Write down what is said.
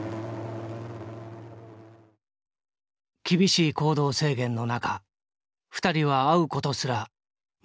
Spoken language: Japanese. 厳しい行動制限の中２人は会うことすらままならなくなった。